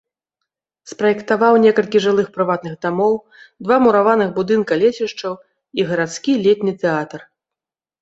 Спраектаваў некалькі жылых прыватных дамоў, два мураваных будынка лецішчаў і гарадскі летні тэатр.